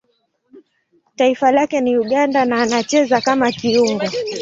Taifa lake ni Uganda na anacheza kama kiungo.